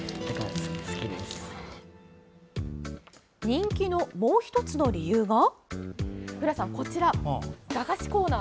人気のもう１つの理由が。